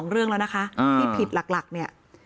เรื่องแล้วนะคะที่ผิดหลักเนี่ย